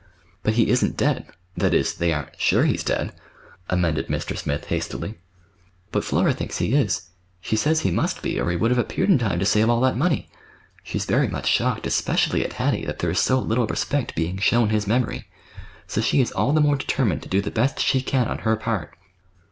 "But he isn't dead—that is, they aren't sure he's dead," amended Mr. Smith hastily. "But Flora thinks he is. She says he must be, or he would have appeared in time to save all that money. She's very much shocked, especially at Hattie, that there is so little respect being shown his memory. So she is all the more determined to do the best she can on her part."